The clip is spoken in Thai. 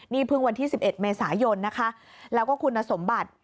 นี่เพิ่งวันที่๑๑เมษายนนะคะแล้วก็คุณสมบัติ